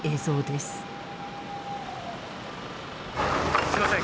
すいません